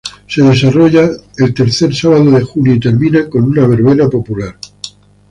Se desarrollan el tercer sábado de junio y terminan con una verbena popular.